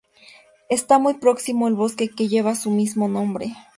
Está muy próximo al bosque que lleva su mismo nombre.